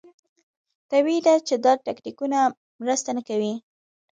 طبیعي ده چې دا تکتیکونه مرسته نه کوي.